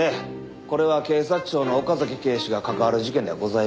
これは警察庁の岡崎警視が関わる事件ではございません。